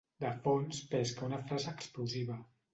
De fons pesca una frase explosiva.